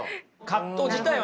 葛藤自体はね